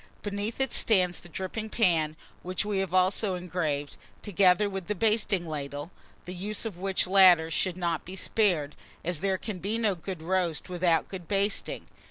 Beneath it stands the dripping pan, which we have also engraved, together with the basting ladle, the use of which latter should not be spared; as there can be no good roast without good basting.